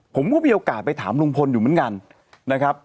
ผมก็มีโอกาสไปถามลุงพลอยู่เหมือนกันนะครับ